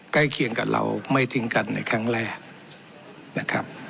ใกล้เคียงกับเราไม่ทิ้งกันในครั้งแรกนะครับ